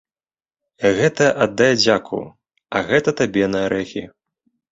Гэта аддай дзяку, а гэта табе на арэхі.